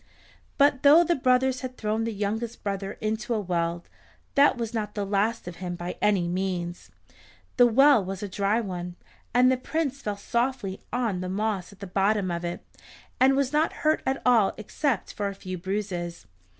But though the brothers had thrown the youngest brother into a well, that was not the last of him by any means. The well was a dry one, and the Prince fell softly on the moss at the bottom of it, and was not hurt at all except for a few bruises.